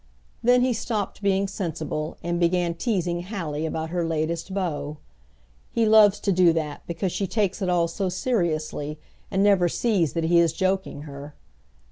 Then he stopped being sensible, and began teasing Hallie about her latest beau. He loves to do that, because she takes it all so seriously, and never sees that he is joking her.